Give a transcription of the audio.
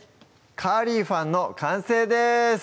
「カーリーファン」の完成です